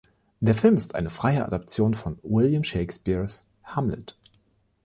Der Film ist eine freie Adaption von William Shakespeares „Hamlet“.